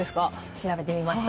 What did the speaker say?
調べてみました。